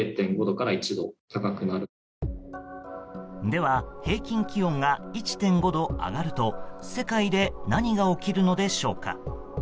では、平均気温が１．５度上がると世界で何が起きるのでしょうか。